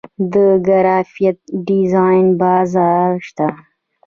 د ګرافیک ډیزاین بازار شته